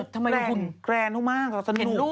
ทำไมหุ่นแกรนเขามากสนุก